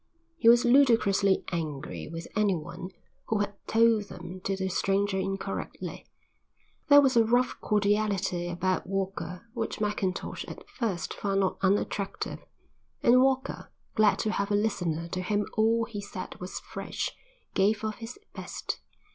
He was ludicrously angry with anyone who had told them to the stranger incorrectly. There was a rough cordiality about Walker which Mackintosh at first found not unattractive, and Walker, glad to have a listener to whom all he said was fresh, gave of his best.